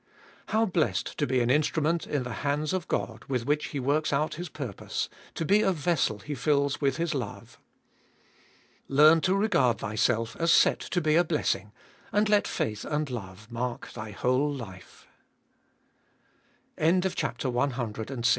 2. How blessed to be an instrument in the hands of God, with which He works out His purpose; to be a vessel He fills with His love. 3. Learn to regard thyself as set to be a blessing, and let faith and love mark thy whole